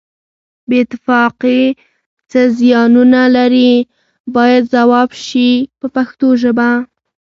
بې اتفاقي څه زیانونه لري باید ځواب شي په پښتو ژبه.